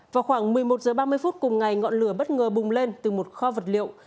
vào khoảng một mươi một h ba mươi phút cùng ngày ngọn lửa bất ngờ bùng lên từ một kho vật liệu